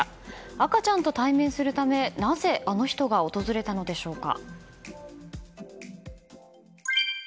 赤ちゃんと対面するためなぜあの人が訪れたのでしょうか。